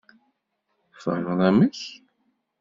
Tfehmeḍ amek?